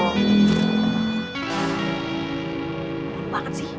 banget banget sih